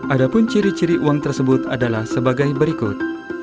ada pun ciri ciri uang tersebut adalah sebagai berikut